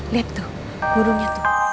lihat tuh burungnya